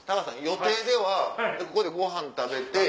予定ではここでごはん食べて。